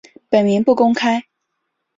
本名不公开。